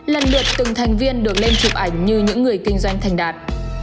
lần lượt từng thành viên được lên chụp ảnh như những người kinh doanh thành đạt